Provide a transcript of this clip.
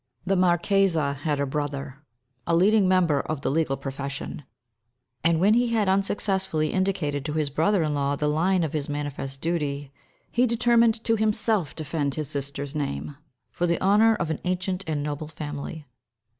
The marchesa had a brother, a leading member of the legal profession; and when he had unsuccessfully indicated to his brother in law the line of his manifest duty, he determined to himself defend his sister's name, for the honour of an ancient and noble family.